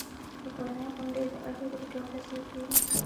د کورنۍ غونډې د اړیکو د پیاوړتیا سبب کېږي.